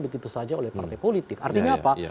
begitu saja oleh partai politik artinya apa